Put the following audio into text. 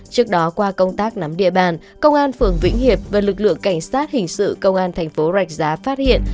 trước đó qua công tác nắm địa bàn công an phường vĩnh hiệp và lực lượng cảnh sát hình sự công an thành phố rạch giá phát hiện